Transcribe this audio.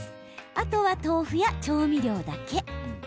あとは、豆腐や調味料だけ。